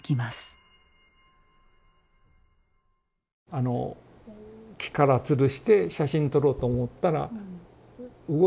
あの木からつるして写真撮ろうと思ったら動いちゃうんですね。